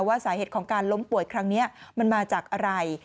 สาเหตุของการล้มป่วยครั้งนี้มันมาจากอะไร